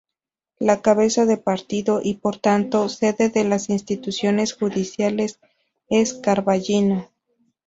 La cabeza de partido y por tanto sede de las instituciones judiciales es Carballino.